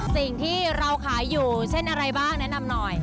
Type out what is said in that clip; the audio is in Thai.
สิ่งที่เราขายอยู่เช่นอะไรบ้างแนะนำหน่อย